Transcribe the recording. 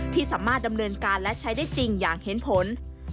ที่สามารถดำเนินการและใช้ได้จริงอย่างเห็นผล